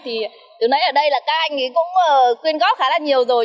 thì từ nãy ở đây là các anh ấy cũng quyên góp khá là nhiều rồi